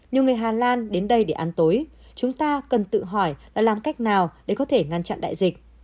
nhiều người hà lan đến đây để ăn tối chúng ta cần tự hỏi là làm cách nào để có thể ngăn chặn đại dịch